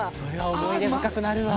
思い出深くなるわ。